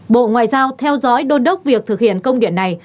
bộ ngoại giao theo dõi đôn đốc việc thực hiện công điện này